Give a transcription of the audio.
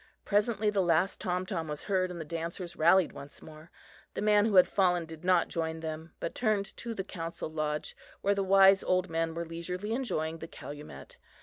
Presently the last tom tom was heard and the dancers rallied once more. The man who had fallen did not join them, but turned to the council lodge, where the wise old men were leisurely enjoying the calumet.